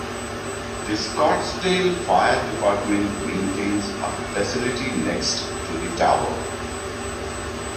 The Scottsdale Fire Department maintains a facility next to the tower.